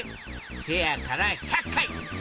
せやから１００回！